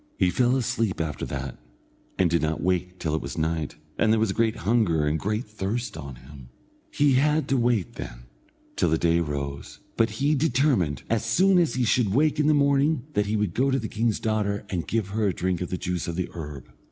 He fell asleep after that, and did not wake till it was night, and there was great hunger and great thirst on him. He had to wait, then, till the day rose; but he determined, as soon as he should wake in the morning, that he would go to the king's daughter and give her a drink of the juice of the herb.